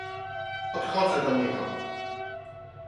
"Podchodzę do niego."